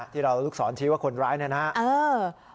ที่เรารุกสอนที่ว่าคนร้ายนะครับ